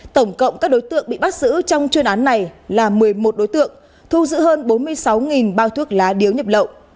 tổng cộng các đối tượng bị bắt giữ trong chuyên án này là một mươi một đối tượng thu giữ hơn bốn mươi sáu bao thuốc lá điếu nhập lậu